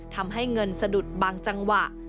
ทำให้เงินสะดุดบางจังหวะ